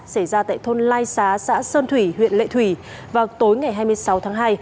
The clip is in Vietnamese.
xảy ra tại thôn lai xá xã sơn thủy huyện lệ thủy vào tối ngày hai mươi sáu tháng hai